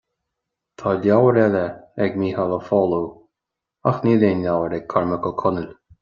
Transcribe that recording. Tá leabhar eile ag Mícheál Ó Foghlú, ach níl aon leabhar ag Cormac Ó Conaill